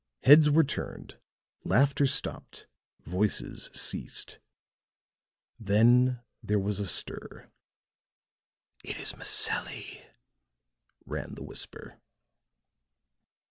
Heads were turned, laughter stopped, voices ceased. Then there was a stir. "It is Maselli," ran the whisper.